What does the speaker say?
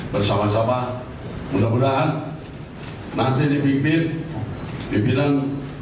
bersama sama mudah mudahan nanti dipimpin pimpinan